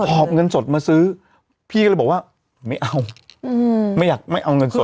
อบเงินสดมาซื้อพี่ก็เลยบอกว่าไม่เอาไม่อยากไม่เอาเงินสด